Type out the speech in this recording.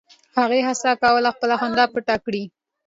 هغه هڅه کوله خپله خندا پټه کړي